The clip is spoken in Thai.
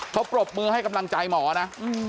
เขาปรบมือให้กำลังใจหมอนะ